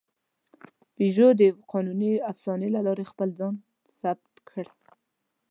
پيژو د قانوني افسانې له لارې خپل ځان تثبیت کړ.